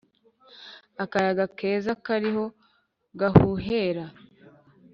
Akayaga keza kariho gahuhera,